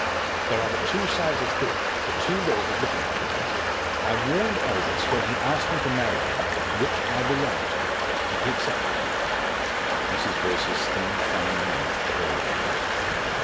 There are the two sides of thought the two ways of looking at things. I warned Aldous when he asked me to marry him which I belonged to. And he accepted it." Mrs. Boyce's thin fine mouth curled a little.